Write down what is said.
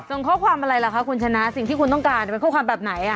ข้อความอะไรล่ะคะคุณชนะสิ่งที่คุณต้องการเป็นข้อความแบบไหน